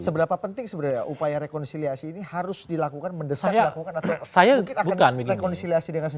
seberapa penting sebenarnya upaya rekonsiliasi ini harus dilakukan mendesak dilakukan atau mungkin akan rekonsiliasi dengan sendiri